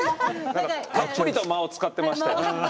たっぷりと間を使ってましたよ。